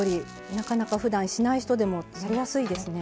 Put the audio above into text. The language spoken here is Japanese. なかなかふだんしない人でも作りやすいですね。